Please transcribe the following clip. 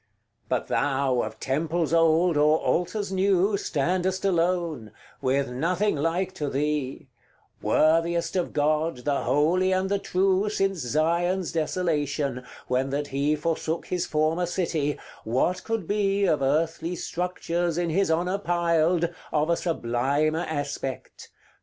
But thou, of temples old, or altars new, Standest alone with nothing like to thee Worthiest of God, the holy and the true, Since Zion's desolation, when that he Forsook his former city, what could be, Of earthly structures, in his honour piled, Of a sublimer aspect?